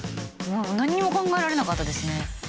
何にも考えられなかったですね